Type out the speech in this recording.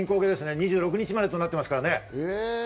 ２６日までとなっておりますのでね。